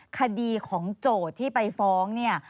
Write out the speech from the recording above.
คดีของโจทย์ที่ไปฟ้องเนี่ย